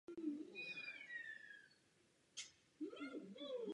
Ihned po přehlídce totiž začal kreslit válečné lodě.